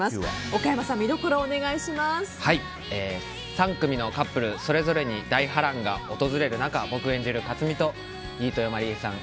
岡山さん、見どころを３組のカップルそれぞれに大波乱が訪れる中僕が演じる克巳と飯豊まりえさん